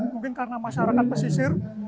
mungkin karena masyarakat pesisir